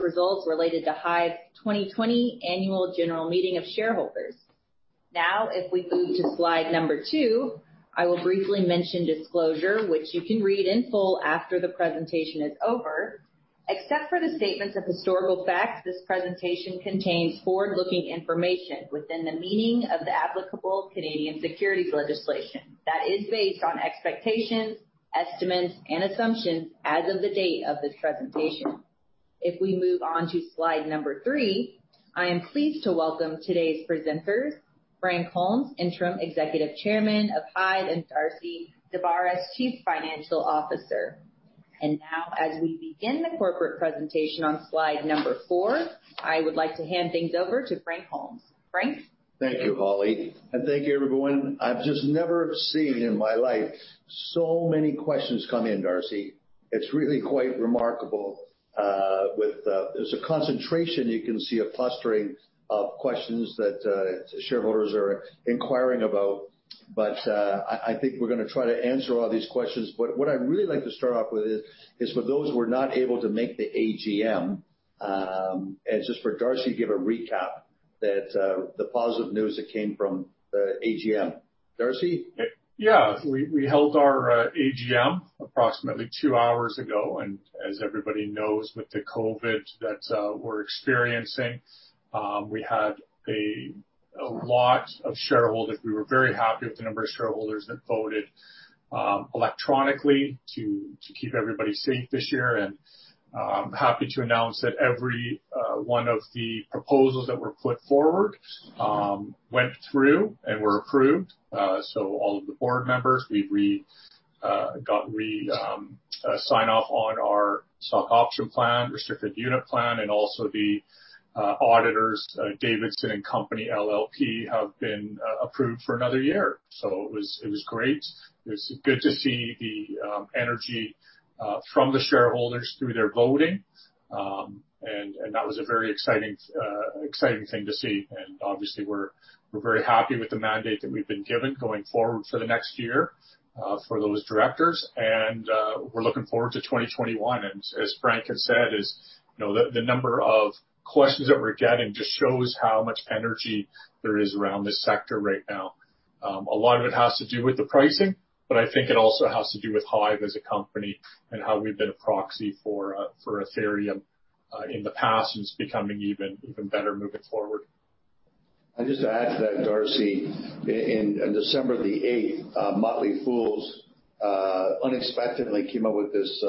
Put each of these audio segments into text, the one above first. Results related to HIVE's 2020 Annual General Meeting of shareholders. If we move to slide number two, I will briefly mention disclosure, which you can read in full after the presentation is over. Except for the statements of historical facts, this presentation contains forward-looking information within the meaning of the applicable Canadian securities legislation that is based on expectations, estimates, and assumptions as of the date of this presentation. If we move on to slide number three, I am pleased to welcome today's presenters, Frank Holmes, Interim Executive Chairman of HIVE, and Darcy Daubaras, Chief Financial Officer. As we begin the corporate presentation on slide number four, I would like to hand things over to Frank Holmes. Frank? Thank you, Holly, thank you, everyone. I've just never seen in my life so many questions come in, Darcy. It's really quite remarkable. There's a concentration, you can see a clustering of questions that shareholders are inquiring about. I think we're going to try to answer all these questions. What I'd really like to start off with is, for those who were not able to make the AGM, is just for Darcy to give a recap of the positive news that came from the AGM. Darcy? We held our AGM approximately two hours ago, as everybody knows with the COVID that we're experiencing, we had a lot of shareholders. We were very happy with the number of shareholders that voted electronically to keep everybody safe this year, I'm happy to announce that every one of the proposals that were put forward went through and were approved. All of the board members, we got re-sign off on our stock option plan, restricted unit plan, and also the auditors, Davidson & Company LLP, have been approved for another year. It was great. It was good to see the energy from the shareholders through their voting, that was a very exciting thing to see. Obviously, we're very happy with the mandate that we've been given going forward for the next year for those directors. We're looking forward to 2021. As Frank has said, the number of questions that we're getting just shows how much energy there is around this sector right now. A lot of it has to do with the pricing, but I think it also has to do with HIVE as a company and how we've been a proxy for Ethereum in the past, and it's becoming even better moving forward. I'll just add to that, Darcy. On December the 8th, The Motley Fool unexpectedly came up with this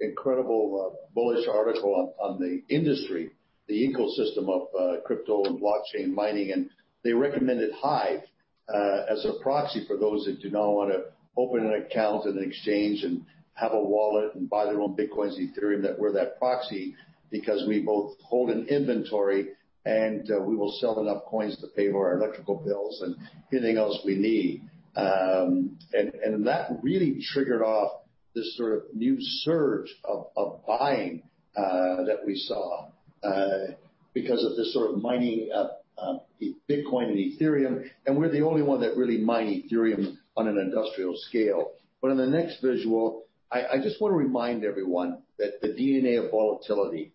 incredible bullish article on the industry, the ecosystem of crypto and blockchain mining, and they recommended HIVE as a proxy for those that do not want to open an account in an exchange and have a wallet and buy their own Bitcoins and Ethereum, that we're that proxy because we both hold an inventory, and we will sell enough coins to pay for our electrical bills and anything else we need. That really triggered off this sort of new surge of buying that we saw because of this sort of mining of Bitcoin and Ethereum, and we're the only one that really mine Ethereum on an industrial scale. On the next visual, I just want to remind everyone that the DNA of volatility,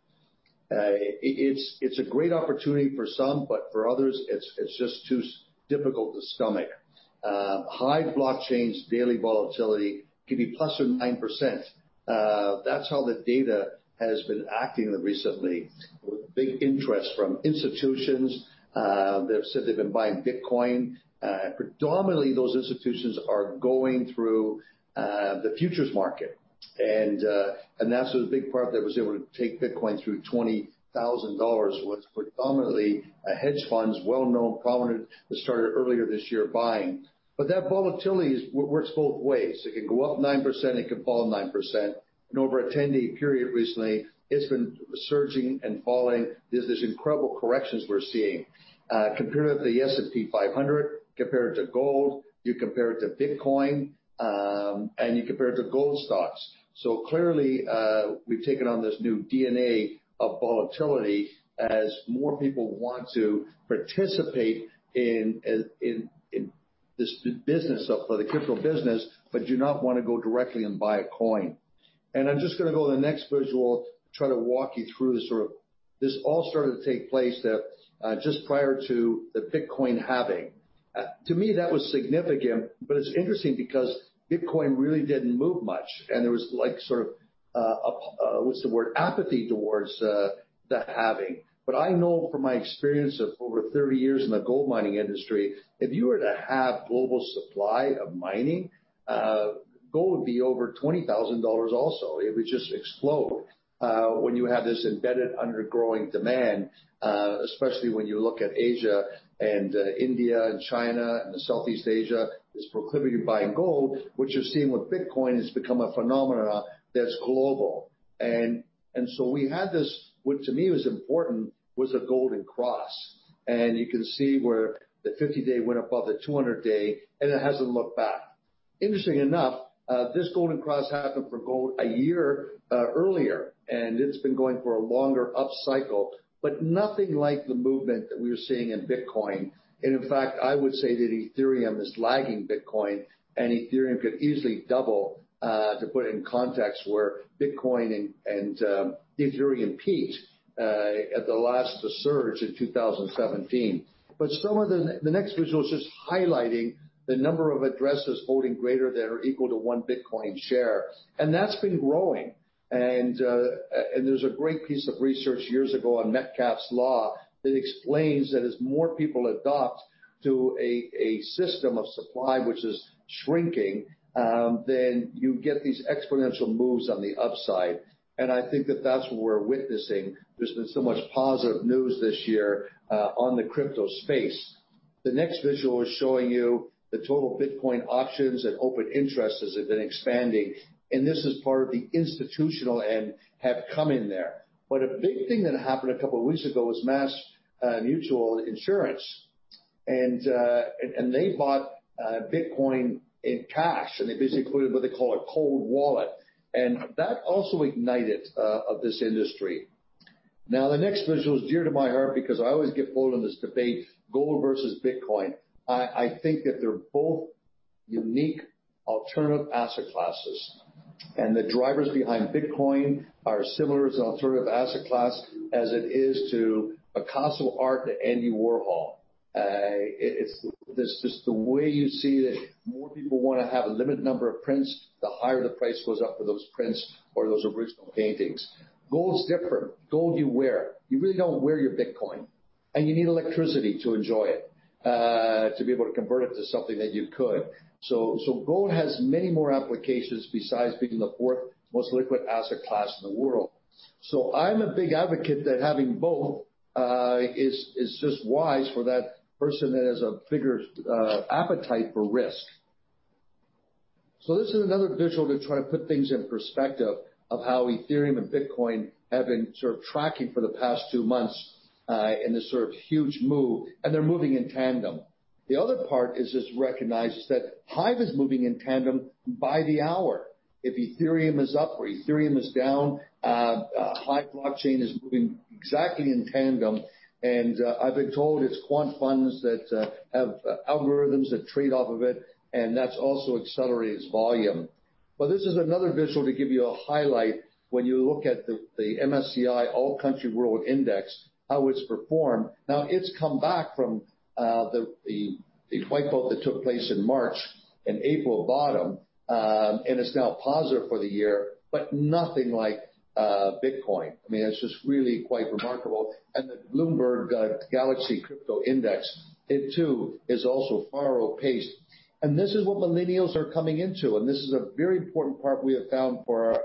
it's a great opportunity for some, but for others, it's just too difficult to stomach. HIVE Digital Technologies' daily volatility can be plus ±9%. That's how the data has been acting recently with big interest from institutions. They've said they've been buying Bitcoin. Predominantly, those institutions are going through the futures market, and that's the big part that was able to take Bitcoin through 20,000 dollars, was predominantly a hedge fund, well-known, prominent, that started earlier this year buying. That volatility works both ways. It can go up 9%, it can fall 9%, and over a 10-day period recently, it's been surging and falling. There's these incredible corrections we're seeing. Compare it to the S&P 500, compare it to gold, you compare it to Bitcoin, and you compare it to gold stocks. Clearly, we've taken on this new DNA of volatility as more people want to participate in the crypto business but do not want to go directly and buy a coin. I'm just going to go to the next visual to try to walk you through. This all started to take place just prior to the Bitcoin halving. To me, that was significant, it's interesting because Bitcoin really didn't move much, and there was like sort of, what's the word? Apathy towards the halving. I know from my experience of over 30 years in the gold mining industry, if you were to halve global supply of mining, gold would be over $20,000 also. It would just explode when you have this embedded under growing demand, especially when you look at Asia and India and China and Southeast Asia, this proclivity to buying gold, which you're seeing with Bitcoin, has become a phenomenon that's global. So we had this, which to me was important, was a golden cross, and you can see where the 50-day went above the 200-day, and it hasn't looked back. Interestingly enough, this golden cross happened for gold a year earlier, and it's been going for a longer upcycle, but nothing like the movement that we're seeing in Bitcoin. In fact, I would say that Ethereum is lagging Bitcoin, and Ethereum could easily double, to put it in context, where Bitcoin and Ethereum peaked at the last surge in 2017. The next visual is just highlighting the number of addresses holding greater than or equal to one Bitcoin share, and that's been growing. There's a great piece of research years ago on Metcalfe's Law that explains that as more people adopt to a system of supply which is shrinking, then you get these exponential moves on the upside. I think that's what we're witnessing. There's been so much positive news this year on the crypto space. The next visual is showing you the total Bitcoin options and open interests as they've been expanding, and this is part of the institutional and have come in there. A big thing that happened a couple of weeks ago was MassMutual Insurance, and they bought Bitcoin in cash, and they basically put in what they call a cold wallet. That also ignited of this industry. The next visual is dear to my heart because I always get pulled in this debate, gold versus Bitcoin. I think that they're both unique alternative asset classes, and the drivers behind Bitcoin are similar as an alternative asset class as it is to a Picasso art to Andy Warhol. It's just the way you see that more people want to have a limited number of prints, the higher the price goes up for those prints or those original paintings. Gold's different. Gold you wear. You really don't wear your Bitcoin, and you need electricity to enjoy it, to be able to convert it to something that you could. Gold has many more applications besides being the fourth most liquid asset class in the world. I'm a big advocate that having both is just wise for that person that has a bigger appetite for risk. This is another visual to try to put things in perspective of how Ethereum and Bitcoin have been sort of tracking for the past two months in this sort of huge move, and they're moving in tandem. The other part is just recognize that HIVE is moving in tandem by the hour. If Ethereum is up or Ethereum is down, HIVE Blockchain is moving exactly in tandem, and I've been told it's quant funds that have algorithms that trade off of it, and that also accelerates volume. This is another visual to give you a highlight when you look at the MSCI All Country World Index, how it's performed. Now, it's come back from the wipeout that took place in March, an April bottom, and it's now positive for the year, but nothing like Bitcoin. It's just really quite remarkable, and the Bloomberg Galaxy Crypto Index, it too, is also far outpaced. This is what millennials are coming into, and this is a very important part we have found for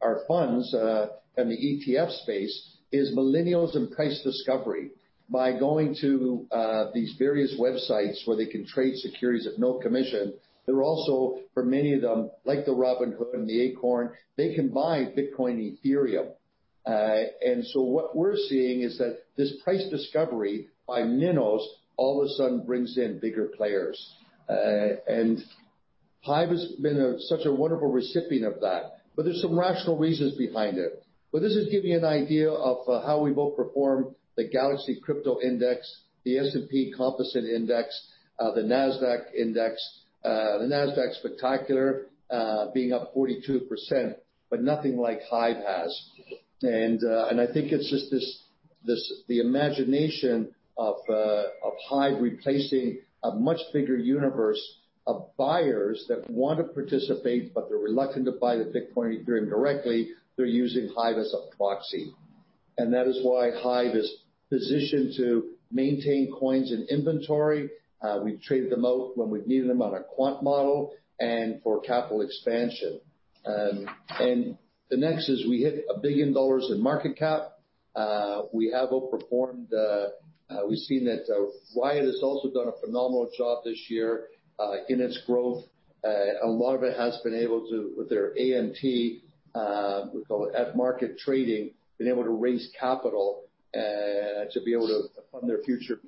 our funds in the ETF space is millennials and price discovery. By going to these various websites where they can trade securities at no commission, they're also, for many of them, like the Robinhood and the Acorns, they can buy Bitcoin and Ethereum. What we're seeing is that this price discovery by millennials all of a sudden brings in bigger players. HIVE has been such a wonderful recipient of that, but there's some rational reasons behind it. This is giving you an idea of how we both perform the Galaxy Crypto Index, the S&P Composite Index, the Nasdaq Index. The Nasdaq's spectacular being up 42%, but nothing like HIVE has. I think it's just the imagination of HIVE replacing a much bigger universe of buyers that want to participate, but they're reluctant to buy the Bitcoin and Ethereum directly. They're using HIVE as a proxy. That is why HIVE is positioned to maintain coins in inventory. We've traded them out when we've needed them on a quant model and for capital expansion. The next is we hit 1 billion dollars in market cap. We've seen that Riot has also done a phenomenal job this year in its growth. A lot of it has been able to, with their ATM, we call it at-market trading, been able to raise capital to be able to fund their future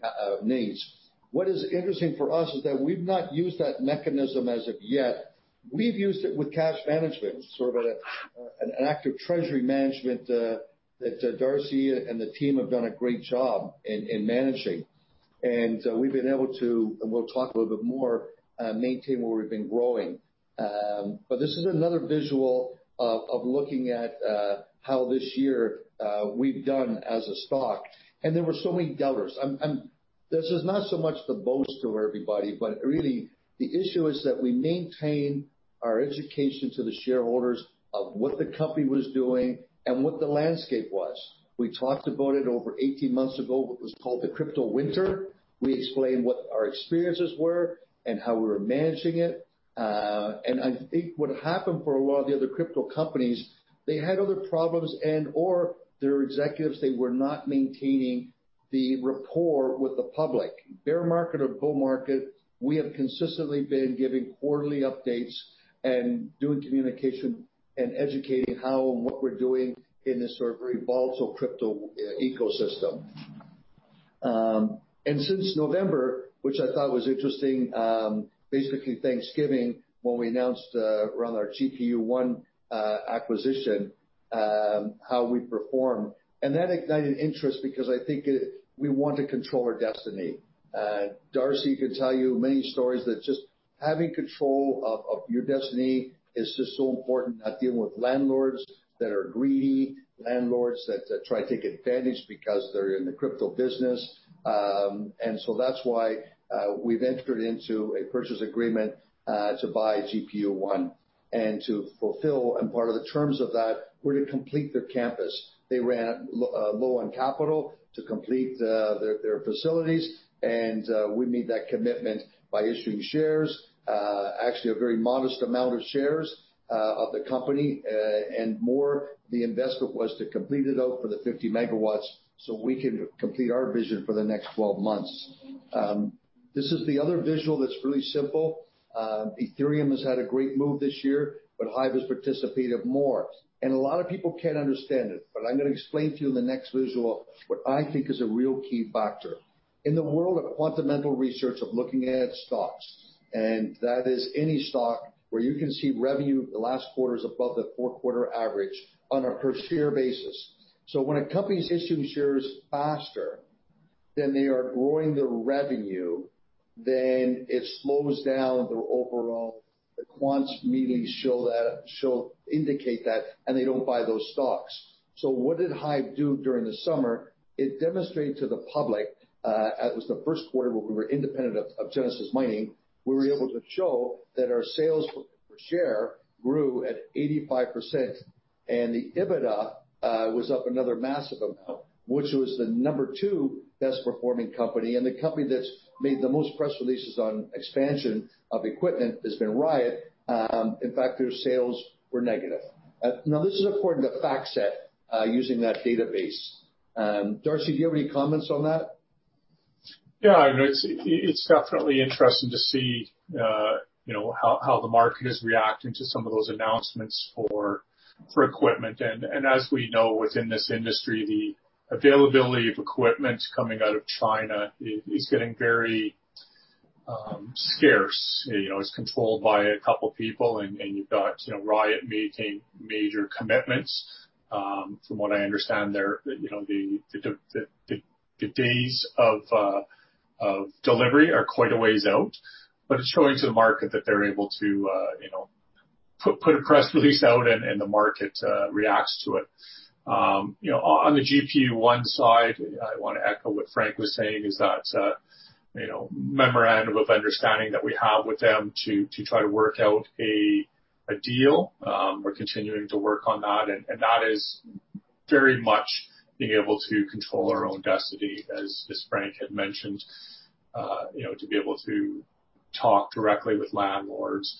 needs. What is interesting for us is that we've not used that mechanism as of yet. We've used it with cash management, sort of an active treasury management that Darcy and the team have done a great job in managing. We've been able to, and we'll talk a little bit more, maintain where we've been growing. This is another visual of looking at how this year we've done as a stock, and there were so many doubters. This is not so much to boast to everybody, but really the issue is that we maintain our education to the shareholders of what the company was doing and what the landscape was. We talked about it over 18 months ago, what was called the crypto winter. We explained what our experiences were and how we were managing it. I think what happened for a lot of the other crypto companies, they had other problems and/or their executives, they were not maintaining the rapport with the public. Bear market or bull market, we have consistently been giving quarterly updates and doing communication and educating how and what we're doing in this sort of very volatile crypto ecosystem. Since November, which I thought was interesting, basically Thanksgiving, when we announced around our GPU1 acquisition how we performed, and that ignited interest because I think we want to control our destiny. Darcy can tell you many stories that just having control of your destiny is just so important, not dealing with landlords that are greedy, landlords that try to take advantage because they're in the crypto business. That's why we've entered into a purchase agreement to buy GPU1 and to fulfill. Part of the terms of that were to complete their campus. They ran low on capital to complete their facilities, and we made that commitment by issuing shares. Actually, a very modest amount of shares of the company, and more the investment was to complete it out for the 50 MW so we can complete our vision for the next 12 months. This is the other visual that's really simple. Ethereum has had a great move this year, but HIVE has participated more. A lot of people can't understand it, but I'm going to explain to you in the next visual what I think is a real key factor. In the world of quantamental research, of looking at stocks, and that is any stock where you can see revenue the last quarter is above the four-quarter average on a per-share basis. When a company's issuing shares faster than they are growing their revenue, then it slows down their overall. The quants immediately indicate that, and they don't buy those stocks. What did HIVE do during the summer? It demonstrated to the public, as the first quarter where we were independent of Genesis Mining, we were able to show that our sales per share grew at 85%, and the EBITDA was up another massive amount, which was the number two best performing company. The company that's made the most press releases on expansion of equipment has been Riot. In fact, their sales were negative. This is according to FactSet using that database. Darcy, do you have any comments on that? Yeah. It's definitely interesting to see how the market is reacting to some of those announcements for equipment. As we know within this industry, the availability of equipment coming out of China is getting very scarce. It's controlled by a couple people and you've got Riot making major commitments. From what I understand, the days of delivery are quite a ways out, but it's showing to the market that they're able to put a press release out and the market reacts to it. On the GPU.One side, I want to echo what Frank was saying, is that memorandum of understanding that we have with them to try to work out a deal. We're continuing to work on that, and that is very much being able to control our own destiny, as Frank had mentioned. To be able to talk directly with landlords,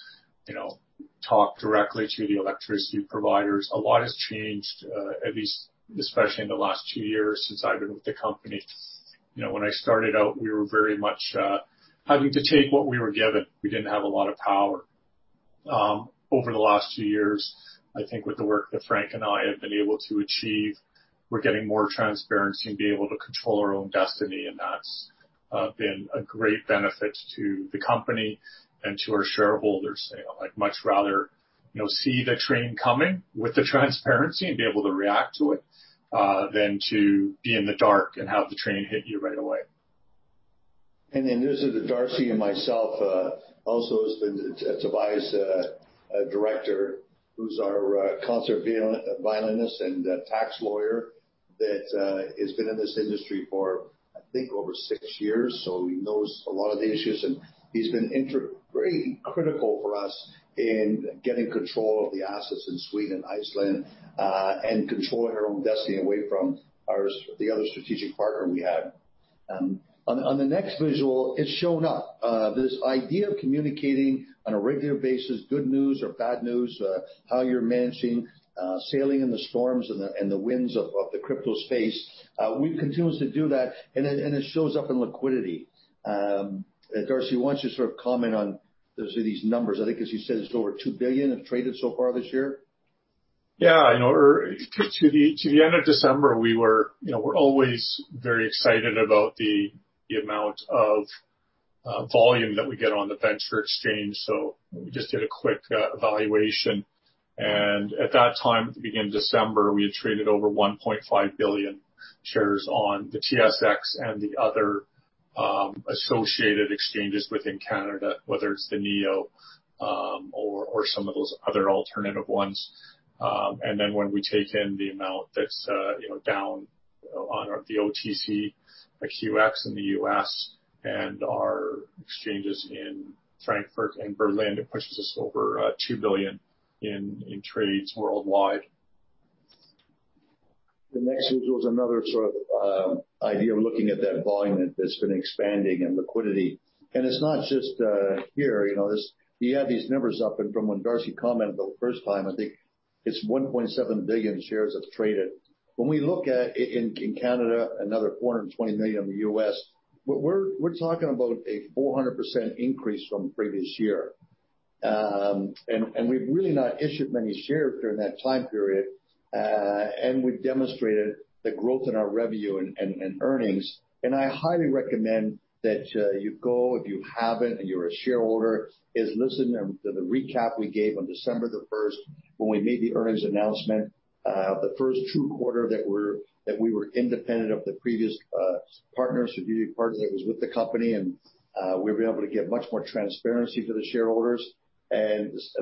talk directly to the electricity providers. A lot has changed at least, especially in the last two years since I've been with the company. When I started out, we were very much having to take what we were given. We didn't have a lot of power. Over the last two years, I think with the work that Frank and I have been able to achieve, we're getting more transparency and being able to control our own destiny, and that's been a great benefit to the company and to our shareholders. I'd much rather see the train coming with the transparency and be able to react to it than to be in the dark and have the train hit you right away. This is Darcy and myself, also has been Tobias, a director, who's our concert violinist and tax lawyer that has been in this industry for, I think, over six years. He knows a lot of the issues, and he's been very critical for us in getting control of the assets in Sweden, Iceland, and controlling our own destiny away from the other strategic partner we had. On the next visual, it's shown up. This idea of communicating on a regular basis, good news or bad news, how you're managing sailing in the storms and the winds of the crypto space. We've continued to do that, and it shows up in liquidity. Darcy, why don't you sort of comment on these numbers? I think as you said, it's over 2 billion have traded so far this year. Yeah. To the end of December, we're always very excited about the amount of volume that we get on the venture exchange. We just did a quick evaluation, and at that time, at the beginning of December, we had traded over 1.5 billion shares on the TSX and the other associated exchanges within Canada, whether it's the NEO or some of those other alternative ones. When we take in the amount that's down on the OTCQX in the U.S. and our exchanges in Frankfurt and Berlin, it pushes us over 2 billion in trades worldwide. The next visual is another sort of idea of looking at that volume that's been expanding and liquidity. It's not just here. You have these numbers up and from when Darcy commented the first time, I think it's 1.7 billion shares have traded. When we look at in Canada, another 420 million in the U.S., we're talking about a 400% increase from previous year. We've really not issued many shares during that time period, and we've demonstrated the growth in our revenue and earnings. I highly recommend that you go, if you haven't and you're a shareholder, is listen to the recap we gave on December 1st when we made the earnings announcement of the first true quarter that we were independent of the previous partners, the previous partner that was with the company. We've been able to give much more transparency to the shareholders.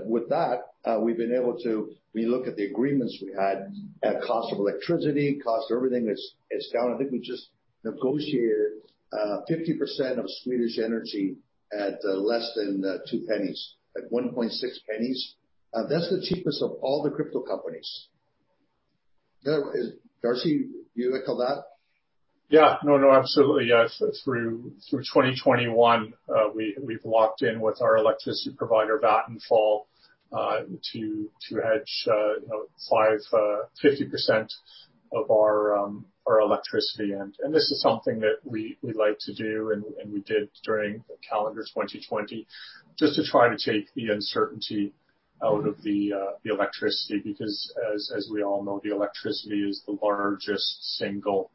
With that, we've been able to re-look at the agreements we had at cost of electricity, cost of everything is down. I think we just negotiated 50% of Swedish energy at less than 0.02, at 0.016. That's the cheapest of all the crypto companies. Darcy, do you recall that? Yeah. No, no, absolutely. Yes. Through 2021, we've locked in with our electricity provider, Vattenfall to hedge 50% of our electricity. This is something that we like to do and we did during calendar 2020, just to try to take the uncertainty out of the electricity because as we all know, the electricity is the largest single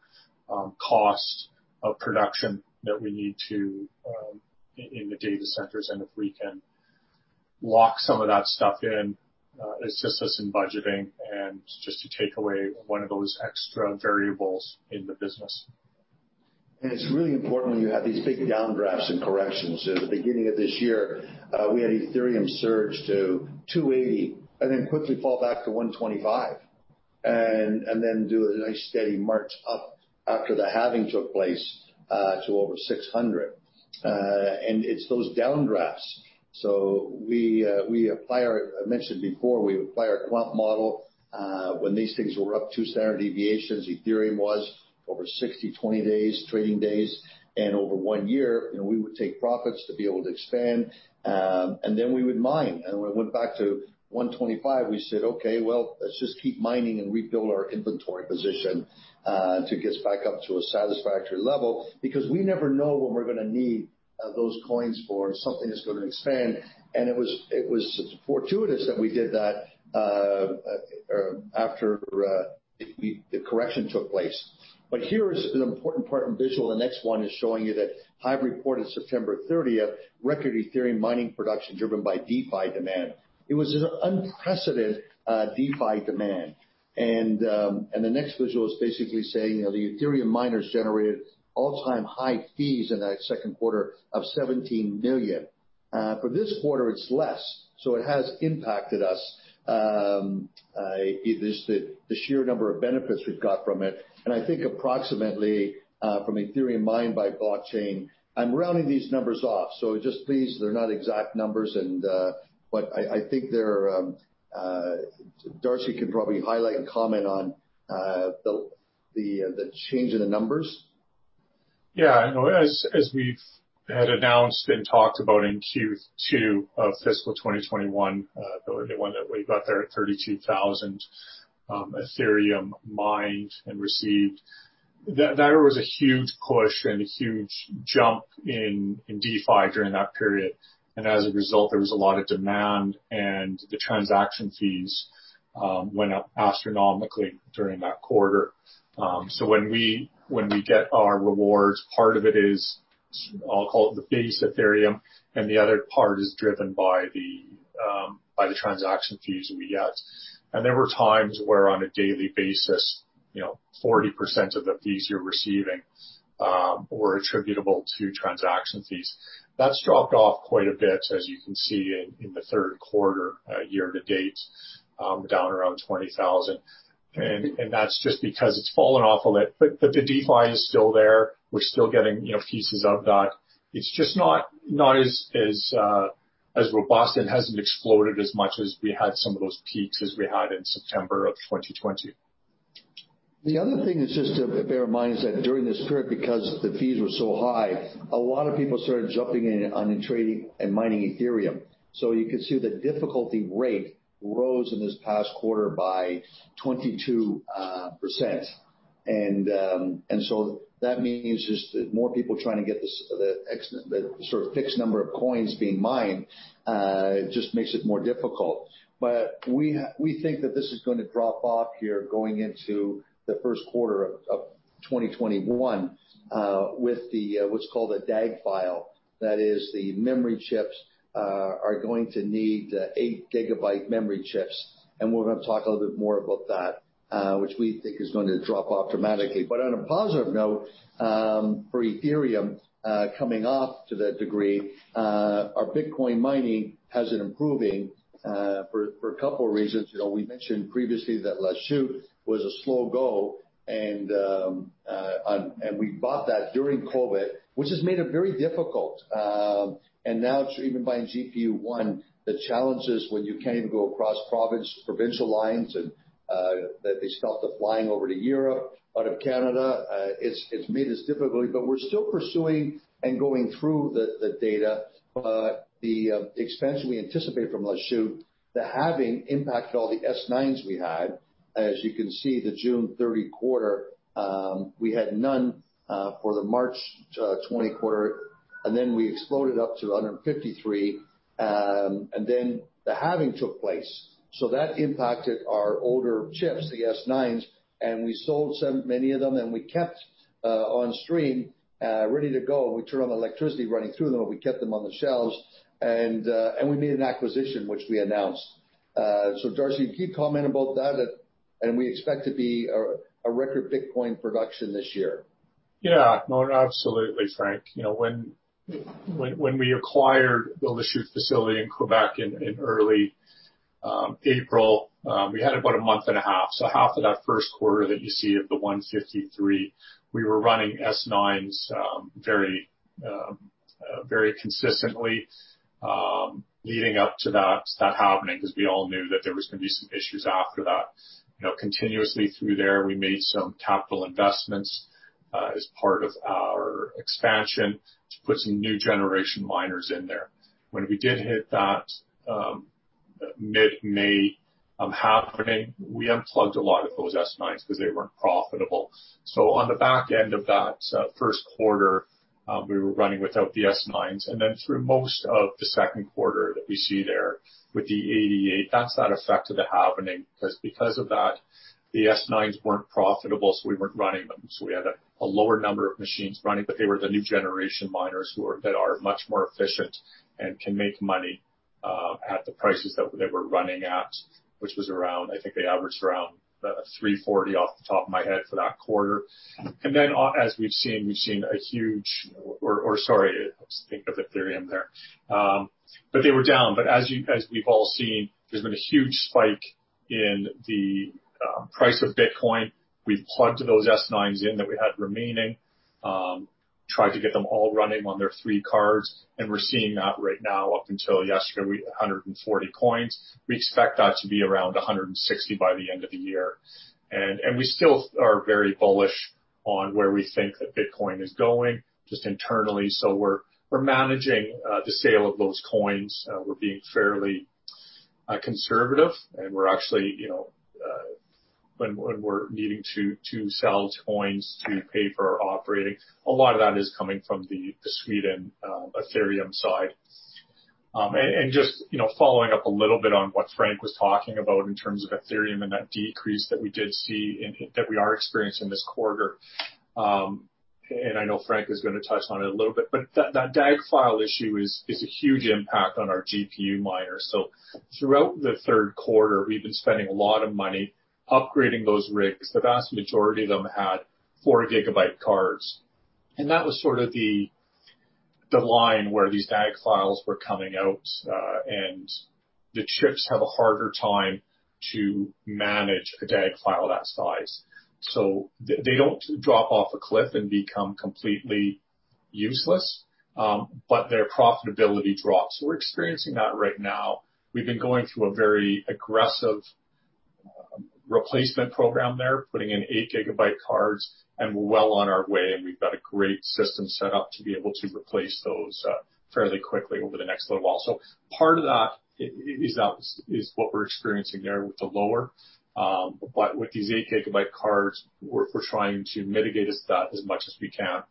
cost of production that we need in the data centers. If we can lock some of that stuff in, it assists us in budgeting and just to take away one of those extra variables in the business. It's really important when you have these big downdrafts and corrections. In the beginning of this year, we had Ethereum surge to 280 and then quickly fall back to 125. Then do a nice steady march up after the halving took place, to over 600. It's those downdrafts. I mentioned before, we apply our quant model. When these things were up two standard deviations, Ethereum was over 60 trading days, and over one year, we would take profits to be able to expand. Then we would mine. When it went back to 125, we said, "Okay, well, let's just keep mining and rebuild our inventory position to get us back up to a satisfactory level." We never know when we're going to need those coins for, something is going to expand. It was fortuitous that we did that after the correction took place. Here is an important part in visual. The next one is showing you that HIVE reported September 30th, record Ethereum mining production driven by DeFi demand. It was an unprecedented DeFi demand. The next visual is basically saying, the Ethereum miners generated all-time high fees in that second quarter of 17 million. For this quarter, it's less. It has impacted us, the sheer number of benefits we've got from it. I think approximately from Ethereum mined by blockchain, I'm rounding these numbers off. Just please, they're not exact numbers. Darcy can probably highlight and comment on the change in the numbers. Yeah, as we've had announced and talked about in Q2 of fiscal 2021, the one that we got there at 32,000 Ethereum mined and received. There was a huge push and a huge jump in DeFi during that period. As a result, there was a lot of demand, and the transaction fees went up astronomically during that quarter. When we get our rewards, part of it is, I'll call it the base Ethereum, and the other part is driven by the transaction fees we get. There were times where on a daily basis 40% of the fees you're receiving were attributable to transaction fees. That's dropped off quite a bit, as you can see in the third quarter year to date, down around 20,000. That's just because it's fallen off a bit. The DeFi is still there. We're still getting pieces of that. It's just not as robust and hasn't exploded as much as we had some of those peaks as we had in September of 2020. The other thing is just to bear in mind is that during this period, because the fees were so high, a lot of people started jumping in on trading and mining Ethereum. You can see the difficulty rate rose in this past quarter by 22%. That means just more people trying to get the sort of fixed number of coins being mined, just makes it more difficult. We think that this is going to drop off here going into the first quarter of 2021, with what's called a DAG file. That is, the memory chips are going to need eight gigabyte memory chips. We're going to talk a little bit more about that which we think is going to drop off dramatically. On a positive note for Ethereum coming off to that degree our Bitcoin mining has been improving for a couple of reasons. We mentioned previously that Lachute was a slow go. We bought that during COVID, which has made it very difficult. Now even buying GPU.One, the challenges when you can't even go across provincial lines and that they stopped the flying over to Europe out of Canada it's made this difficult. We're still pursuing and going through the data. The expansion we anticipate from Lachute, the halving impacted all the S9s we had. As you can see, the June 30 quarter we had none. For the March 20 quarter. We exploded up to 153, and then the halving took place. That impacted our older chips, the S9s, and we sold so many of them, and we kept on stream ready to go. We turned on the electricity running through them, and we kept them on the shelves. We made an acquisition, which we announced. Darcy, can you comment about that? We expect to be a record Bitcoin production this year. Absolutely Frank, when we acquired the Lachute facility in Quebec in early April, we had about a month and a half. Half of that first quarter that you see of the 153, we were running S9s very consistently leading up to that happening because we all knew that there was going to be some issues after that. Continuously through there, we made some capital investments as part of our expansion to put some new generation miners in there. When we did hit that mid-May on [halving], we unplugged a lot of those S9s because they weren't profitable. On the back end of that first quarter, we were running without the S9s, and then through most of the second quarter that we see there with the 88, that's that effect of the halving because of that, the S9s weren't profitable, so we weren't running them. We had a lower number of machines running, but they were the new generation miners that are much more efficient and can make money at the prices that they were running at, which was around, I think they averaged around 340 off the top of my head for that quarter. As we've seen, we've seen a huge or sorry, I was thinking of Ethereum there. They were down. As we've all seen, there's been a huge spike in the price of Bitcoin. We've plugged those S9s in that we had remaining, tried to get them all running on their three cards, and we're seeing that right now up until yesterday, 140 coins. We expect that to be around 160 by the end of the year. We still are very bullish on where we think that Bitcoin is going just internally. We're managing the sale of those coins. We're being fairly conservative and we're actually when we're needing to sell coins to pay for our operating, a lot of that is coming from the Sweden Ethereum side. Just following up a little bit on what Frank was talking about in terms of Ethereum and that decrease that we did see and that we are experiencing this quarter. I know Frank is going to touch on it a little bit, but that DAG file issue is a huge impact on our GPU miners. Throughout the third quarter, we've been spending a lot of money upgrading those rigs. The vast majority of them had four gigabyte cards, and that was sort of the line where these DAG files were coming out. The chips have a harder time to manage a DAG file that size. They don't drop off a cliff and become completely useless, but their profitability drops. We're experiencing that right now. We've been going through a very aggressive replacement program there, putting in eight gigabyte cards, and we're well on our way, and we've got a great system set up to be able to replace those fairly quickly over the next little while. Part of that is what we're experiencing there with the lower, but with these 8 GB cards, we're trying to mitigate that as much as we can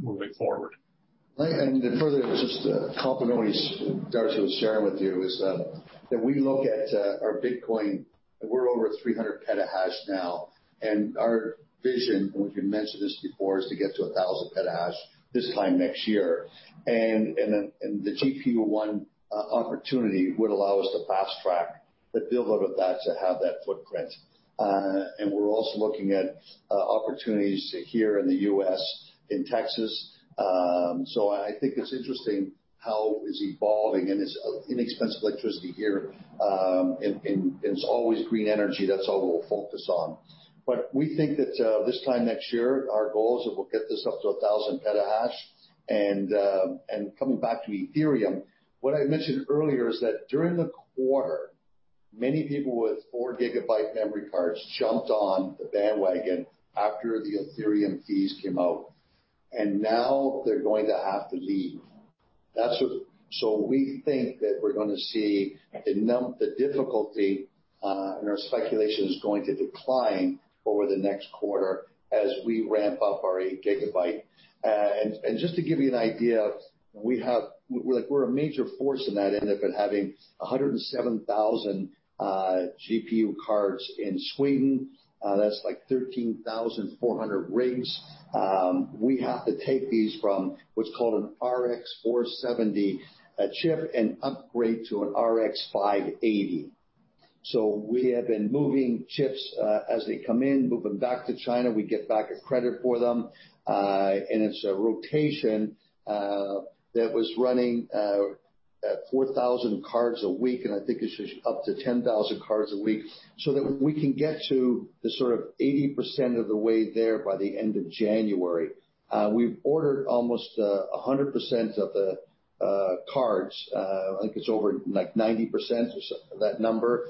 moving forward. To further just complement what Darcy was sharing with you is that we look at our Bitcoin, we're over 300 petahash now, and our vision, and we've mentioned this before, is to get to 1,000 petahash this time next year. The GPU.One opportunity would allow us to fast track the build-out of that to have that footprint. We're also looking at opportunities here in the U.S., in Texas. I think it's interesting how it's evolving and it's inexpensive electricity here, and it's always green energy. That's all we'll focus on. We think that this time next year, our goal is that we'll get this up to 1,000 petahash. Coming back to Ethereum, what I mentioned earlier is that during the quarter, many people with 4 GB memory cards jumped on the bandwagon after the Ethereum fees came out, and now they're going to have to leave. We think that we're going to see the difficulty in our speculation is going to decline over the next quarter as we ramp up our 8 GB. Just to give you an idea, we're a major force in that end of it, having 107,000 GPU cards in Sweden. That's like 13,400 rigs. We have to take these from what's called an RX 470 chip and upgrade to an RX 580. We have been moving chips as they come in, move them back to China. We get back a credit for them. It's a rotation that was running 4,000 cards a week, I think it's up to 10,000 cards a week so that we can get to the sort of 80% of the way there by the end of January. We've ordered almost 100% of the cards. I think it's over like 90% or so that number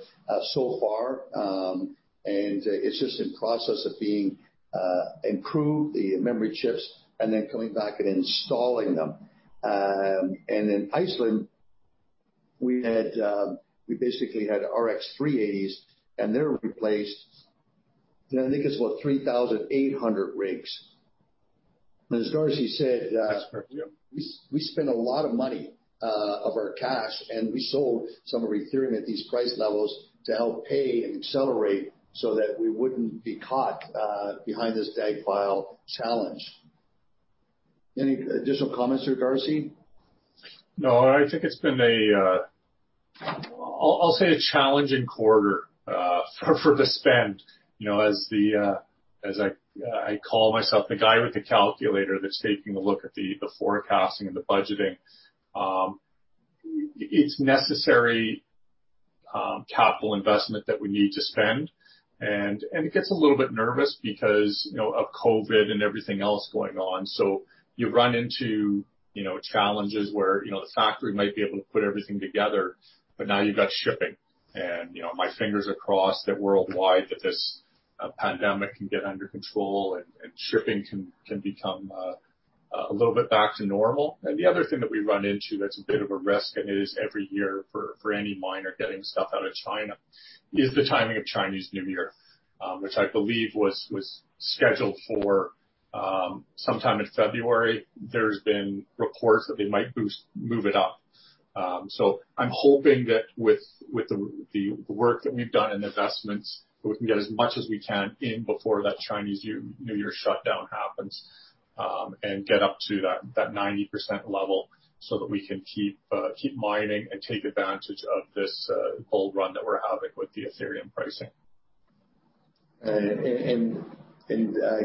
so far. It's just in process of being improved, the memory chips and then coming back and installing them. In Iceland, we basically had RX 380s, and they were replaced in, I think it's what, 3,800 rigs. As Darcy said. That's correct, yep. we spent a lot of money of our cash, and we sold some of Ethereum at these price levels to help pay and accelerate so that we wouldn't be caught behind this DAG file challenge. Any additional comments there, Darcy? No, I think it's been a, I'll say a challenging quarter for the spend. As I call myself the guy with the calculator that's taking a look at the forecasting and the budgeting. It's necessary capital investment that we need to spend, and it gets a little bit nervous because of COVID and everything else going on. You run into challenges where the factory might be able to put everything together, but now you've got shipping. My fingers are crossed that worldwide, that this pandemic can get under control and shipping can become a little bit back to normal. The other thing that we run into that's a bit of a risk, and it is every year for any miner getting stuff out of China, is the timing of Chinese New Year, which I believe was scheduled for sometime in February. There's been reports that they might move it up. I'm hoping that with the work that we've done and the investments, that we can get as much as we can in before that Chinese New Year shutdown happens, and get up to that 90% level so that we can keep mining and take advantage of this bull run that we're having with the Ethereum pricing. I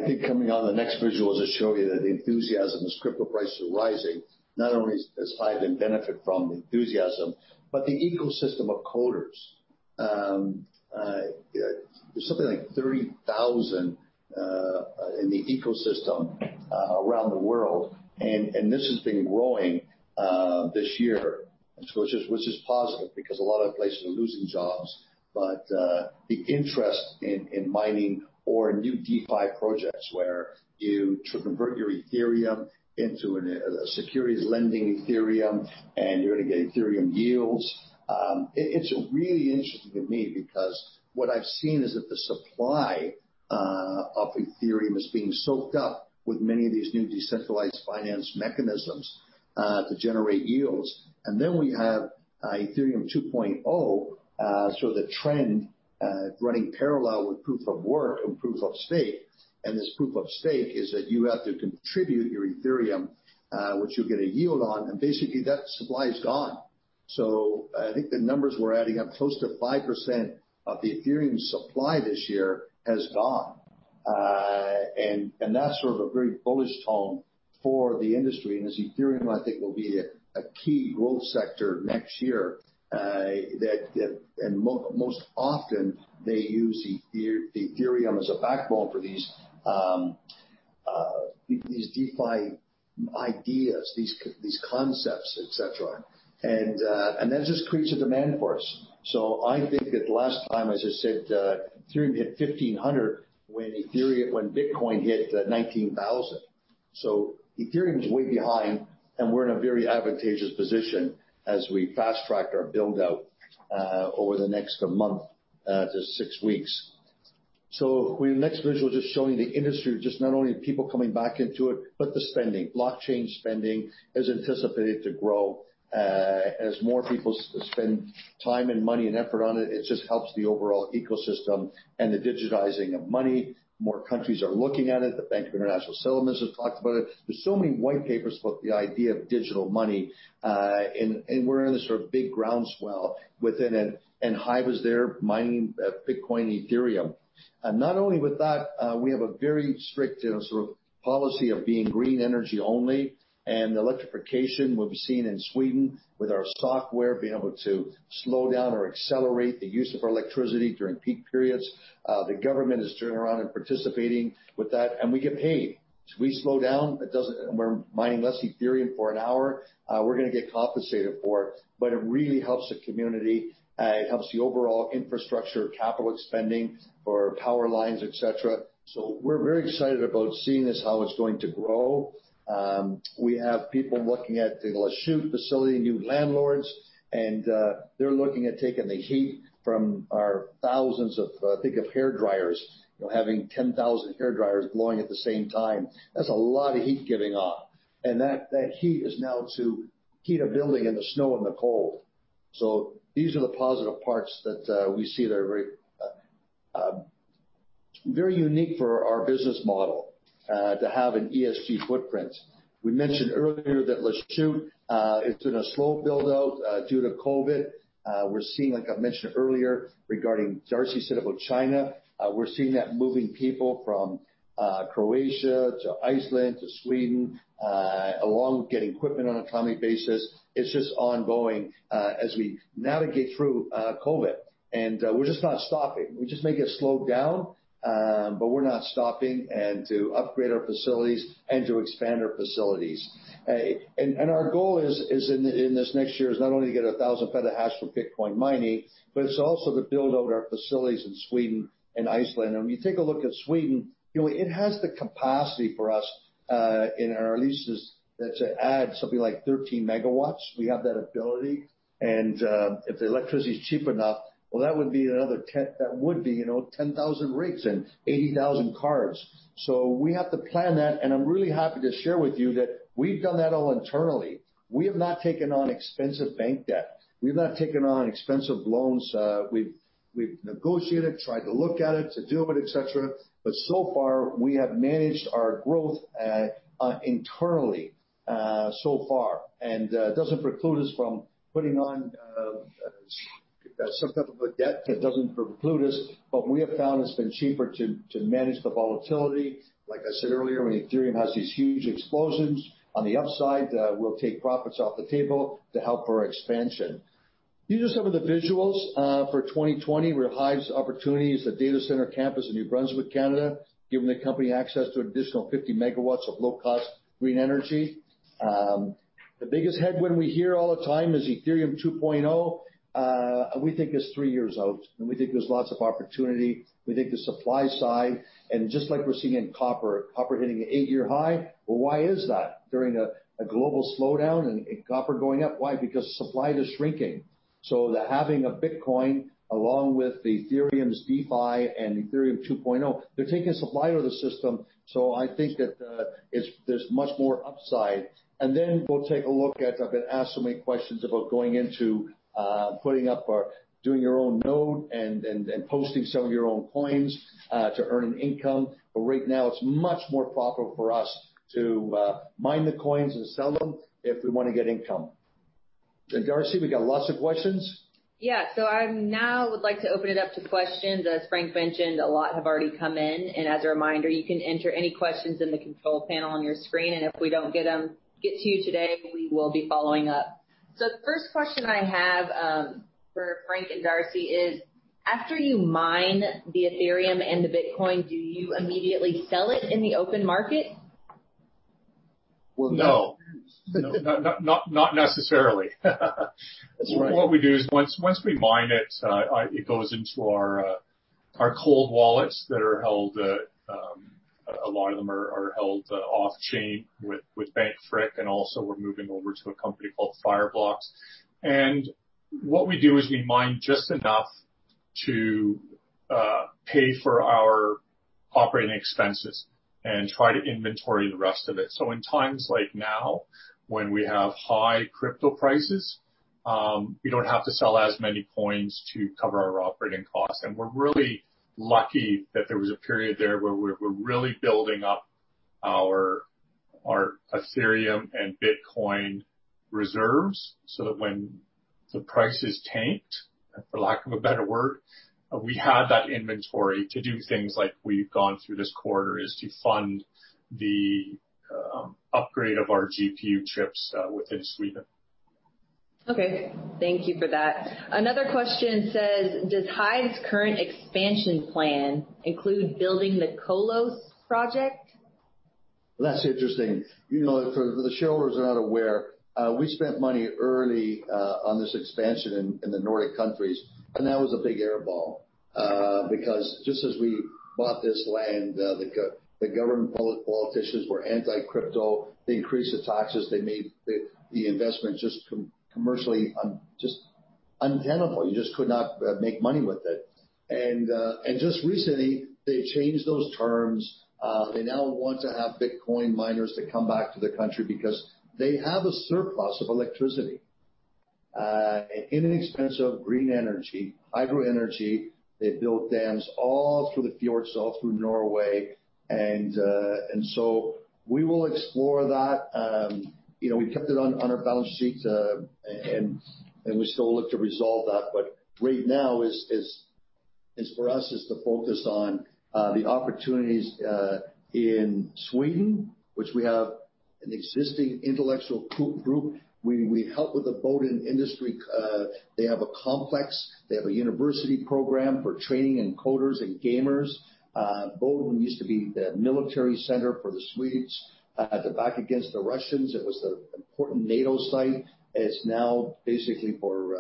think coming on the next visual is to show you that the enthusiasm as crypto prices are rising, not only does HIVE then benefit from the enthusiasm, but the ecosystem of coders. There's something like 30,000 in the ecosystem around the world, and this has been growing this year which is positive because a lot of places are losing jobs. The interest in mining or new DeFi projects where you convert your Ethereum into a securities lending Ethereum, and you're going to get Ethereum yields. It's really interesting to me because what I've seen is that the supply of Ethereum is being soaked up with many of these new decentralized finance mechanisms to generate yields. We have Ethereum 2.0, so the trend running parallel with proof of work and proof of stake, and this proof of stake is that you have to contribute your Ethereum, which you'll get a yield on, and basically that supply is gone. I think the numbers we're adding up close to 5% of the Ethereum supply this year has gone. That's sort of a very bullish tone for the industry. As Ethereum, I think will be a key growth sector next year. Most often they use Ethereum as a backbone for these DeFi ideas, these concepts, et cetera. That just creates a demand for us. I think that last time, as I said, Ethereum hit 1,500 when Bitcoin hit 19,000. Ethereum is way behind, and we're in a very advantageous position as we fast-tracked our build-out over the next month to six weeks. Our next visual just showing the industry, just not only people coming back into it, but the spending. Blockchain spending is anticipated to grow. As more people spend time and money and effort on it just helps the overall ecosystem and the digitizing of money. More countries are looking at it. The Bank for International Settlements has talked about it. There's so many white papers about the idea of digital money, and we're in this sort of big groundswell within it, and HIVE is there mining Bitcoin and Ethereum. Not only with that, we have a very strict policy of being green energy only, the electrification will be seen in Sweden with our software being able to slow down or accelerate the use of our electricity during peak periods. The government is turning around and participating with that, we get paid. We slow down, we're mining less Ethereum for an hour, we're going to get compensated for it. It really helps the community, it helps the overall infrastructure, capital spending for power lines, et cetera. We're very excited about seeing this, how it's going to grow. We have people looking at the Lachute facility, new landlords, they're looking at taking the heat from our thousands of, think of hairdryers. Having 10,000 hairdryers blowing at the same time, that's a lot of heat giving off. That heat is now to heat a building in the snow and the cold. These are the positive parts that we see that are very unique for our business model, to have an ESG footprint. We mentioned earlier that Lachute, it's been a slow build-out due to COVID. We're seeing, like I mentioned earlier regarding Darcy said about China, we're seeing that moving people from Croatia to Iceland to Sweden, along with getting equipment on a timely basis. It's just ongoing as we navigate through COVID. We're just not stopping. We just may get slowed down, but we're not stopping and to upgrade our facilities and to expand our facilities. Our goal is in this next year is not only to get 1,000 petahash for Bitcoin mining, but it's also to build out our facilities in Sweden and Iceland. When you take a look at Sweden, it has the capacity for us in our leases that add something like 13 MW. We have that ability. If the electricity is cheap enough, well, that would be another 10,000 rigs and 80,000 cards. We have to plan that, and I'm really happy to share with you that we've done that all internally. We have not taken on expensive bank debt. We've not taken on expensive loans. We've negotiated, tried to look at it, to do it, etc. So far, we have managed our growth internally so far. It doesn't preclude us from putting on, if that's some type of a debt, but we have found it's been cheaper to manage the volatility. Like I said earlier, when Ethereum has these huge explosions on the upside, we'll take profits off the table to help our expansion. These are some of the visuals for 2020 where HIVE's opportunity is the data center campus in New Brunswick, Canada, giving the company access to an additional 50 MW of low-cost green energy. The biggest headwind we hear all the time is Ethereum 2.0. We think it's three years out. We think there's lots of opportunity. We think the supply side. Just like we're seeing in copper hitting an eight-year high. Well, why is that? During a global slowdown. Copper going up. Why? Because supply is shrinking. Having a Bitcoin along with Ethereum's DeFi and Ethereum 2.0, they're taking supply out of the system. I think that there's much more upside. We'll take a look at, I've been asked so many questions about going into putting up or doing your own node and posting some of your own coins to earn an income. Right now, it's much more profitable for us to mine the coins and sell them if we want to get income. Darcy, we got lots of questions. Yeah. I now would like to open it up to questions. As Frank mentioned, a lot have already come in, and as a reminder, you can enter any questions in the control panel on your screen, and if we don't get to you today, we will be following up. The first question I have for Frank and Darcy is, after you mine the Ethereum and the Bitcoin, do you immediately sell it in the open market? Well, no. No. Not necessarily. That's right. What we do is once we mine it goes into our cold wallets. A lot of them are held off-chain with Bank Frick, and also we're moving over to a company called Fireblocks. What we do is we mine just enough to pay for our operating expenses and try to inventory the rest of it. In times like now, when we have high crypto prices, we don't have to sell as many coins to cover our operating costs. We're really lucky that there was a period there where we're really building up our Ethereum and Bitcoin reserves so that when the prices tanked, for lack of a better word, we had that inventory to do things like we've gone through this quarter, is to fund the upgrade of our GPU chips within Sweden. Okay. Thank you for that. Another question says, does HIVE's current expansion plan include building the Kolos project? That's interesting. For the shareholders who are not aware, we spent money early on this expansion in the Nordic countries, and that was a big air ball. Because just as we bought this land, the government politicians were anti-crypto. They increased the taxes. They made the investment just commercially untenable. You just could not make money with it. Just recently, they changed those terms. They now want to have Bitcoin miners to come back to the country because they have a surplus of electricity. Inexpensive green energy, hydro energy. They built dams all through the fjords, all through Norway. We will explore that. We kept it on our balance sheet, and we still look to resolve that. Right now is for us is to focus on the opportunities in Sweden, which we have an existing intellectual group. We help with the Boden industry. They have a complex, they have a university program for training encoders and gamers. Boden used to be the military center for the Swedes at the back against the Russians. It was the important NATO site. It's now basically for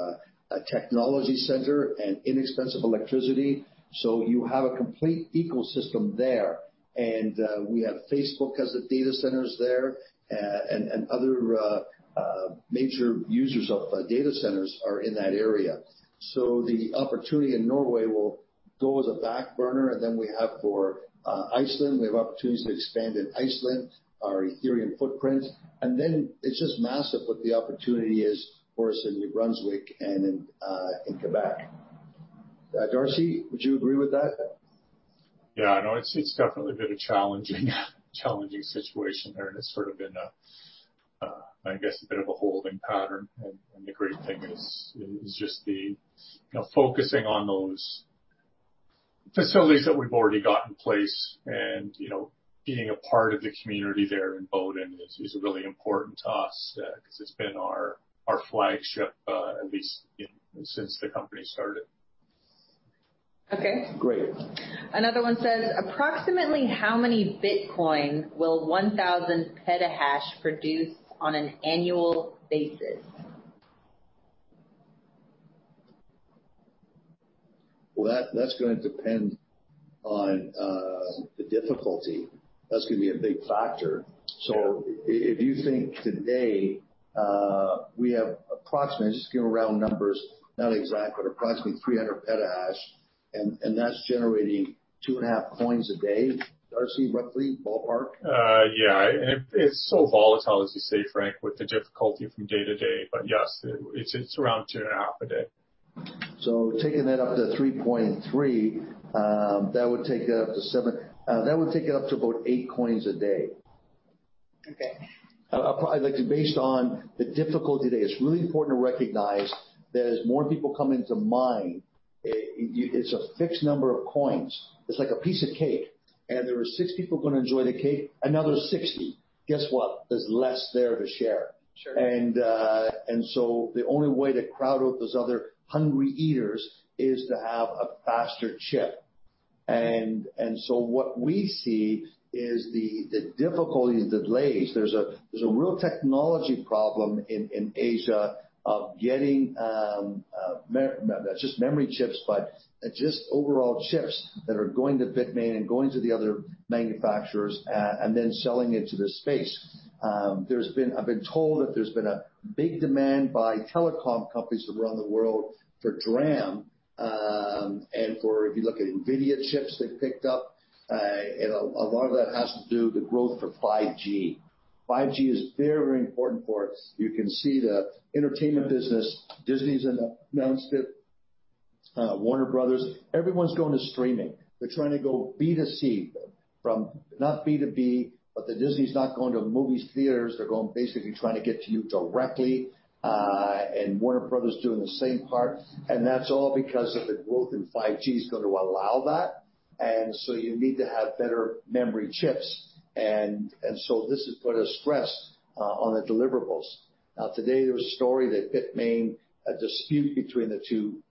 a technology center and inexpensive electricity. You have a complete ecosystem there. We have Facebook has the data centers there, and other major users of data centers are in that area. The opportunity in Norway will go as a back burner, and then we have for Iceland. We have opportunities to expand in Iceland, our Ethereum footprint. It's just massive what the opportunity is for us in New Brunswick and in Quebec. Darcy, would you agree with that? It's definitely been a challenging situation there, it's sort of been a, I guess, a bit of a holding pattern. The great thing is just the focusing on those facilities that we've already got in place and being a part of the community there in Boden is really important to us because it's been our flagship, at least since the company started. Okay. Great. Another one says, approximately how many Bitcoin will 1,000 petahash produce on an annual basis? Well, that's going to depend on the difficulty. That's going to be a big factor. Yeah. If you think today, we have approximately, I'm just giving round numbers, not exact, but approximately 300 petahash, and that's generating two and a half coins a day. Darcy, roughly, ballpark? Yeah. It's so volatile, as you say, Frank, with the difficulty from day to day, but yes, it's around two and a half a day. Taking that up to 3.3, that would take it up to about eight coins a day. Okay. Based on the difficulty today, it's really important to recognize that as more people come into mine, it's a fixed number of coins. It's like a piece of cake. There are 60 people going to enjoy the cake. Another 60. Guess what? There's less there to share. Sure. The only way to crowd out those other hungry eaters is to have a faster chip. What we see is the difficulty, the delays. There's a real technology problem in Asia of getting not just memory chips, but just overall chips that are going to Bitmain and going to the other manufacturers, then selling into this space. I've been told that there's been a big demand by telecom companies around the world for DRAM, and if you look at NVIDIA chips they've picked up, and a lot of that has to do with the growth for 5G. 5G is very important for us. You can see the entertainment business. Disney's announced it, Warner Bros.. Everyone's going to streaming. They're trying to go B2C from not B2B, but that Disney's not going to movie theaters, they're going basically trying to get to you directly. Warner Bros. doing the same part, and that's all because of the growth in 5G is going to allow that, and so you need to have better memory chips. This has put a stress on the deliverables. Today, there was a story that Bitmain, a dispute between the two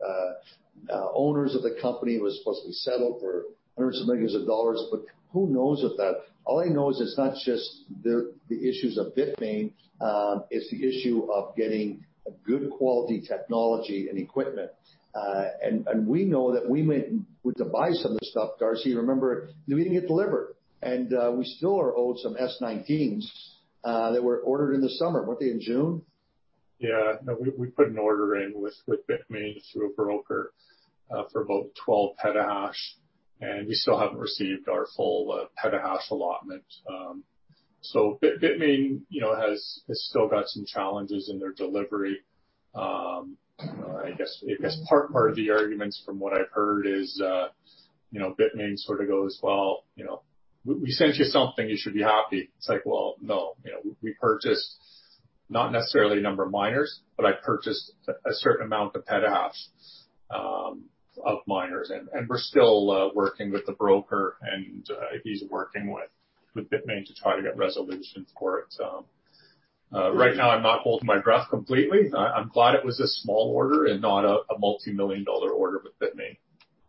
owners of the company was supposed to be settled for hundreds of millions of CAD. Who knows. All I know is it's not just the issues of Bitmain. It's the issue of getting a good quality technology and equipment. We know that we went to buy some of the stuff, Darcy, you remember, we didn't get delivered. We still are owed some S19s that were ordered in the summer. Weren't they in June? Yeah. No, we put an order in with Bitmain through a broker for about 12 petahash, and we still haven't received our full petahash allotment. Bitmain has still got some challenges in their delivery. I guess part of the arguments from what I've heard is Bitmain sort of goes, "Well, we sent you something. You should be happy." It's like, well, no, we purchased not necessarily a number of miners, but I purchased a certain amount of petahash of miners, and we're still working with the broker, and he's working with Bitmain to try to get resolutions for it. Right now, I'm not holding my breath completely. I'm glad it was a small order and not a multimillion-dollar order with Bitmain.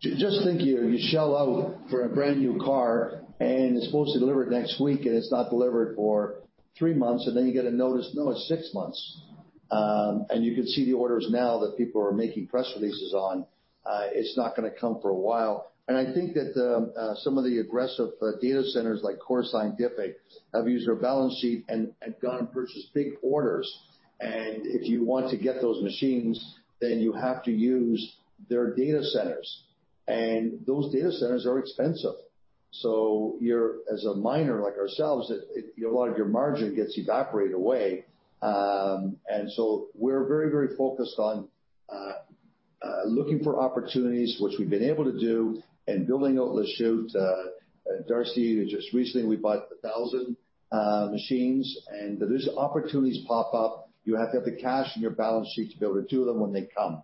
Just think, you shell out for a brand-new car, and it's supposed to deliver it next week, and it's not delivered for 3 months, and then you get a notice, no, it's six months. You can see the orders now that people are making press releases on. It's not going to come for a while. I think that some of the aggressive data centers, like Core Scientific, have used their balance sheet and gone and purchased big orders. If you want to get those machines, then you have to use their data centers. Those data centers are expensive. As a miner like ourselves, a lot of your margin gets evaporated away. We're very focused on looking for opportunities, which we've been able to do, and building out Lachute. Darcy, just recently we bought 1,000 machines. As opportunities pop up, you have to have the cash in your balance sheet to be able to do them when they come.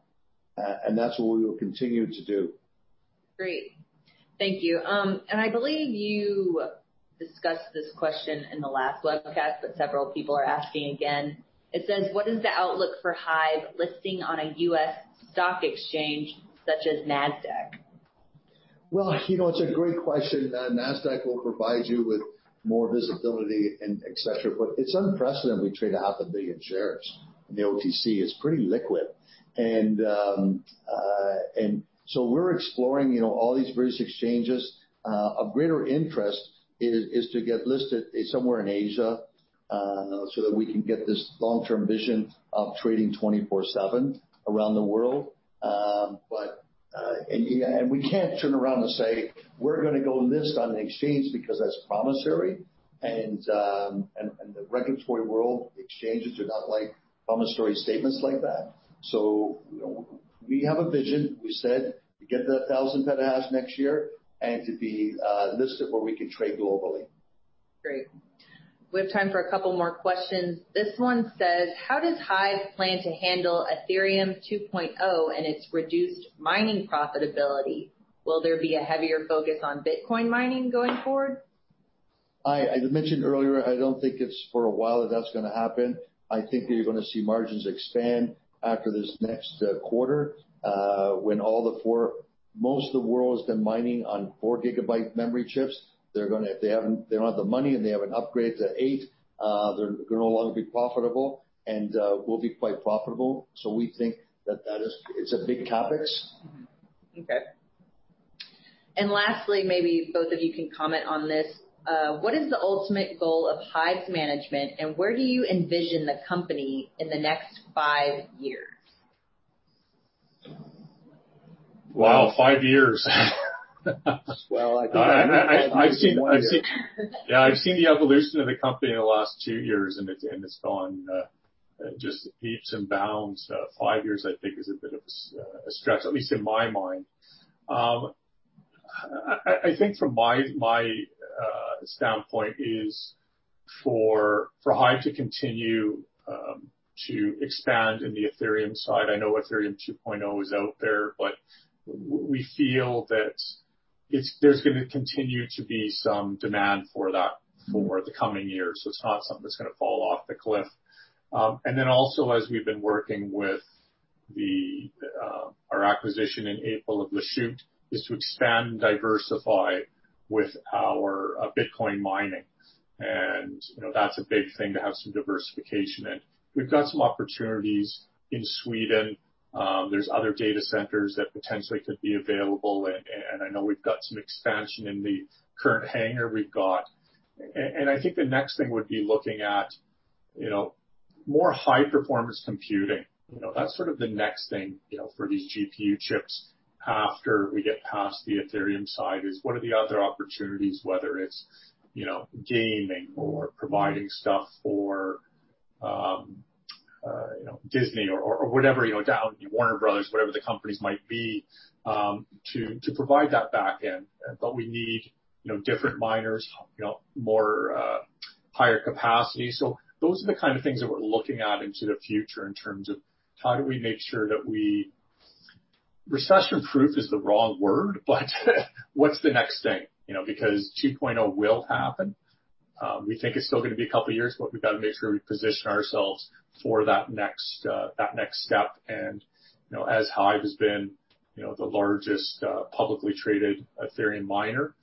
That's what we will continue to do. Great. Thank you. I believe you discussed this question in the last webcast, but several people are asking again. It says: What is the outlook for HIVE listing on a U.S. stock exchange such as Nasdaq? Well, it's a great question. NASDAQ will provide you with more visibility and et cetera. It's unprecedented. We trade a half a billion shares in the OTC. It's pretty liquid. We're exploring all these various exchanges. Of greater interest is to get listed somewhere in Asia so that we can get this long-term vision of trading 24/7 around the world. We can't turn around and say we're going to go list on the exchange because that's promissory, and the regulatory world exchanges do not like promissory statements like that. We have a vision. We said to get to 1,000 petahash next year and to be listed where we can trade globally. Great. We have time for a couple more questions. This one says: How does HIVE plan to handle Ethereum 2.0 and its reduced mining profitability? Will there be a heavier focus on Bitcoin mining going forward? As I mentioned earlier, I don't think it's for a while that's going to happen. I think that you're going to see margins expand after this next quarter. When most of the world has been mining on four-gigabyte memory chips, if they don't have the money and they haven't upgraded to eight, they're going to no longer be profitable, and we'll be quite profitable. We think that it's a big CapEx. Okay. Lastly, maybe both of you can comment on this. What is the ultimate goal of HIVE's management, and where do you envision the company in the next five years? Wow. Five years. Well, I think- I've seen- One year. Yeah, I've seen the evolution of the company in the last two years, and it's gone just leaps and bounds. Five years, I think, is a bit of a stretch, at least in my mind. I think from my standpoint is for HIVE to continue to expand in the Ethereum side. I know Ethereum 2.0 is out there, but we feel that there's going to continue to be some demand for that for the coming years. It's not something that's going to fall off the cliff. Also as we've been working with our acquisition in April of Lachute, is to expand and diversify with our Bitcoin mining. That's a big thing to have some diversification in. We've got some opportunities in Sweden. There's other data centers that potentially could be available, and I know we've got some expansion in the current hangar we've got. I think the next thing would be looking at more high-performance computing. That's sort of the next thing for these GPU chips after we get past the Ethereum side, is what are the other opportunities, whether it's gaming or providing stuff for Disney or whatever, Warner Bros., whatever the companies might be, to provide that back end. We need different miners, higher capacity. Those are the kind of things that we're looking at into the future in terms of how do we make sure that we Recession-proof is the wrong word, but what's the next thing? 2.0 will happen. We think it's still going to be a couple of years, but we've got to make sure we position ourselves for that next step. As HIVE has been the largest publicly traded Ethereum miner,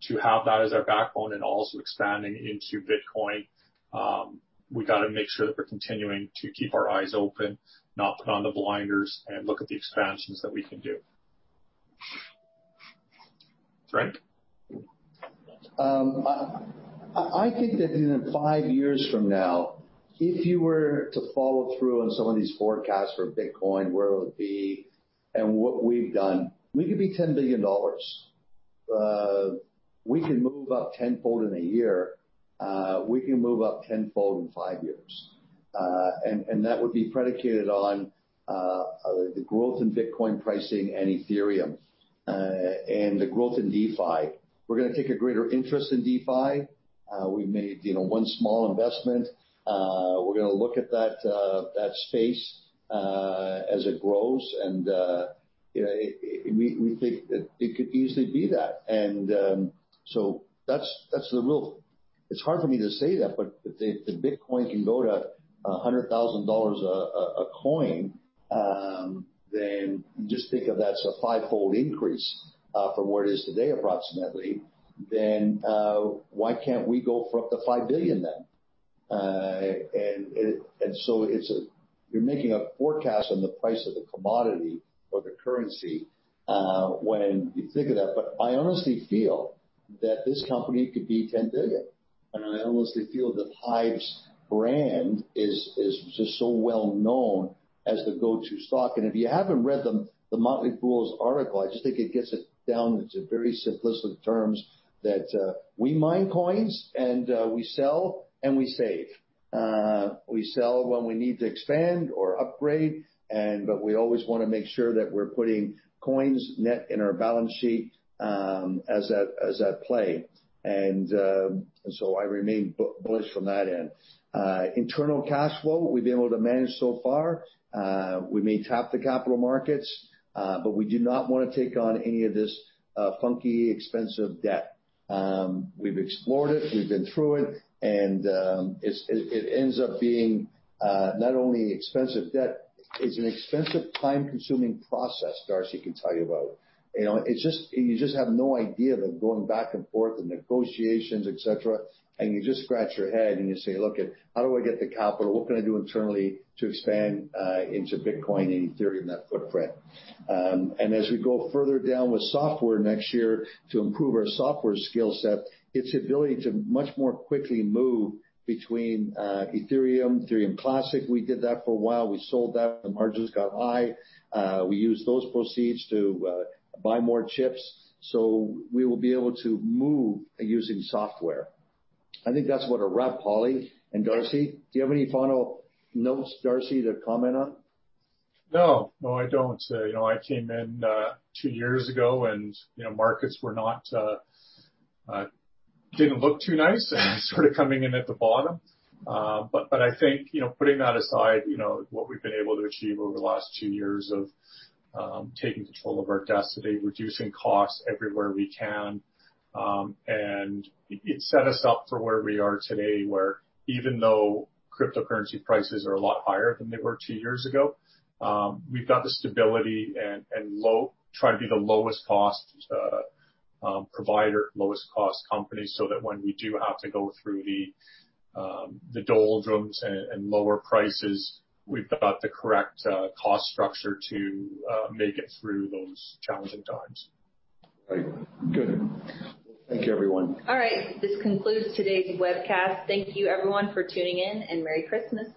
to have that as our backbone and also expanding into Bitcoin, we got to make sure that we're continuing to keep our eyes open, not put on the blinders, and look at the expansions that we can do. Frank? I think that in five years from now, if you were to follow through on some of these forecasts for Bitcoin, where it'll be and what we've done, we could be 10 billion dollars. We can move up tenfold in a year. We can move up tenfold in five years. That would be predicated on the growth in Bitcoin pricing and Ethereum, and the growth in DeFi. We're going to take a greater interest in DeFi. We made one small investment. We're going to look at that space as it grows, and we think that it could easily be that. That's the real. It's hard for me to say that, but if Bitcoin can go to 100,000 dollars a coin, then just think of that as a fivefold increase from where it is today, approximately. Why can't we go for up to 5 billion then? You're making a forecast on the price of the commodity or the currency when you think of that. I honestly feel that this company could be 10 billion, and I honestly feel that HIVE's brand is just so well known as the go-to stock. If you haven't read The Motley Fool's article, I just think it gets it down to very simplistic terms that we mine coins and we sell and we save. We sell when we need to expand or upgrade, but we always want to make sure that we're putting coins net in our balance sheet as at play. I remain bullish from that end. Internal cash flow, we've been able to manage so far. We may tap the capital markets, but we do not want to take on any of this funky, expensive debt. We've explored it, we've been through it, and it ends up being not only expensive debt, it's an expensive, time-consuming process Darcy can tell you about. You just have no idea that going back and forth, the negotiations, et cetera, and you just scratch your head and you say, "Look, how do I get the capital? What can I do internally to expand into Bitcoin and Ethereum, that footprint?" as we go further down with software next year to improve our software skill set, its ability to much more quickly move between Ethereum Classic, we did that for a while. We sold that, the margins got high. We used those proceeds to buy more chips, so we will be able to move using software. I think that's what a wrap, Holly and Darcy. Do you have any final notes, Darcy, to comment on? No. No, I don't. I came in two years ago, and markets didn't look too nice, and I started coming in at the bottom. I think, putting that aside, what we've been able to achieve over the last two years of taking control of our destiny, reducing costs everywhere we can, and it set us up for where we are today, where even though cryptocurrency prices are a lot higher than they were two years ago, we've got the stability and try to be the lowest cost provider, lowest cost company, so that when we do have to go through the doldrums and lower prices, we've got the correct cost structure to make it through those challenging times. Right. Good. Thank you, everyone. All right. This concludes today's webcast. Thank you, everyone, for tuning in, and merry Christmas.